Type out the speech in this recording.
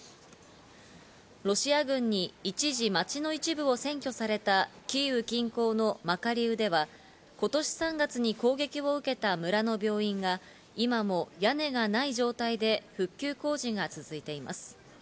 ロシア軍に一時、街の一部を占拠されたキーウ近郊のマカリウでは今年３月に攻撃を受けた村の病院が今も屋根がない状態で復旧工事が続いています。